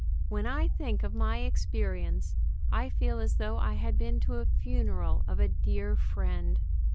When I think of my experience I feel as though I had been to a funeral of a dear friend.